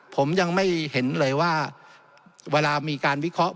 ผมยังไม่เห็นเลยว่าเวลามีการวิเคราะห์